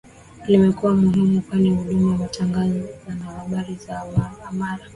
Limekuwa muhimu kwani huduma za matangazo na habari za amari